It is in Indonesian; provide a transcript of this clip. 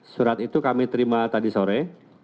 surat itu kami terima tadi sore